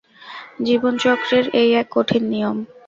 জীবনচক্রের এই এক কঠিন নিয়ম।